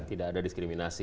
tidak ada diskriminasi